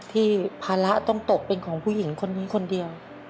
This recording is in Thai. ภาระต้องตกเป็นของผู้หญิงคนนี้คนเดียว